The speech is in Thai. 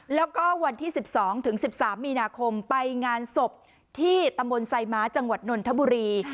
แล้วก็วันที่๑๒ถึง๑๓มีนาคมไปงานศพที่ตำบลไซม้าจังหวัดนนทบุรี